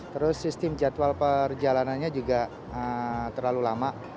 terus sistem jadwal perjalanannya juga terlalu lama